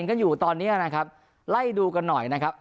กอกเลยนะครับ